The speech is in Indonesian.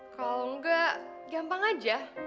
kalau enggak gampang aja